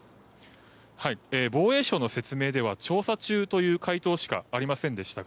防衛省の説明では調査中という回答しかありませんでしたか